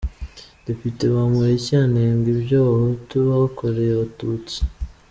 Depite Bamporiki anenga ibyo Abahutu bakoreye Abatusi.